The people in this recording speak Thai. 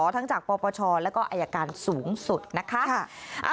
ทั้งจากปปชแล้วก็อายการสูงสุดนะคะ